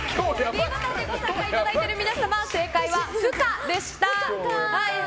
ｄボタンで参加いただいた皆様正解は不可でした。